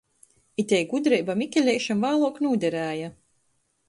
Itei gudreiba Mikeleišam vāluok nūderēja.